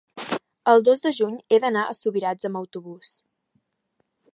el dos de juny he d'anar a Subirats amb autobús.